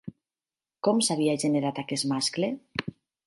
Com s'havia generat aquest mascle?